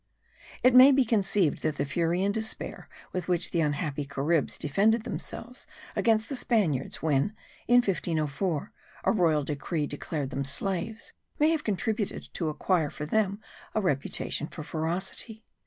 It may be conceived that the fury and despair with which the unhappy Caribs defended themselves against the Spaniards, when in 1504 a royal decree declared them slaves, may have contributed to acquire for them a reputation for ferocity.